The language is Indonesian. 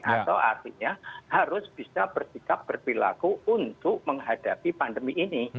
atau artinya harus bisa bersikap berperilaku untuk menghadapi pandemi ini